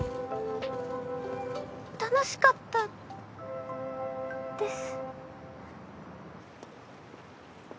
楽しかったです。